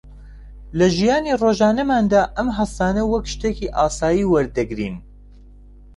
لە ژیانی ڕۆژانەماندا ئەم هەستانە وەک شتێکی ئاسایی وەردەگرین